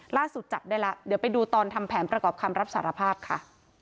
จับได้แล้วเดี๋ยวไปดูตอนทำแผนประกอบคำรับสารภาพค่ะ